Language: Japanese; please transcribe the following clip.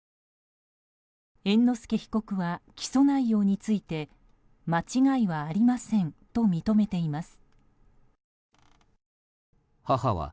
猿之助被告は、起訴内容について間違いはありませんと認めています。